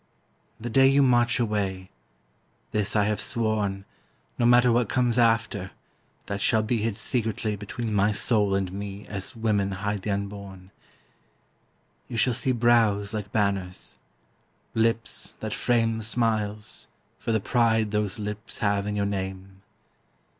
The day you march away this I have sworn, No matter what comes after, that shall be Hid secretly between my soul and me As women hide the unborn You shall see brows like banners, lips that frame Smiles, for the pride those lips have in your name.